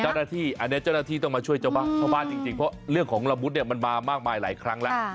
จ้อนาธินี้ต้องมาช่วยเจ้าบ้านจริงเพราะเรื่องของละมุดหมายมากมายหลายครั้งแล้ว